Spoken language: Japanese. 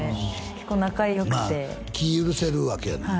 結構仲よくてまあ気ぃ許せるわけやな